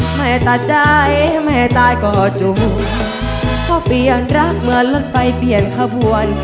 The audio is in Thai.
แม่ตาใจแม่ตายก็จูงพ่อเปลี่ยนรักเหมือนรถไฟเปลี่ยนขบวน